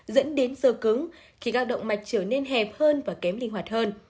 dẫn đến sơ cứng khi các động mạch trở nên hẹp hơn và kém linh hoạt hơn